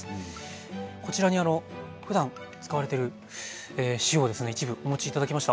こちらにふだん使われている塩をですね一部お持ち頂きました。